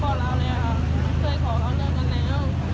บอกแล้วเลยค่ะเคยขอเขาเรื่องกันแล้ว